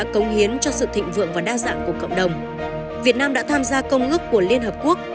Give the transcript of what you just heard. công hiến cho sự thịnh vượng và đa dạng của cộng đồng việt nam đã tham gia công ước của liên hợp quốc